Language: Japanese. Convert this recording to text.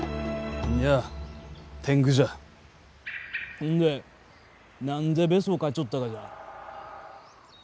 ほんで何でベソかいちょったがじゃ？